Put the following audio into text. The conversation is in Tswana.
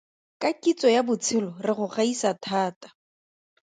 Ka kitso ya botshelo re go gaisa thata.